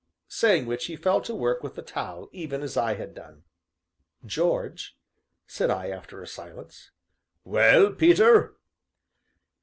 Saying which, he fell to work with the towel even as I had done. "George," said I after a silence. "Well, Peter?"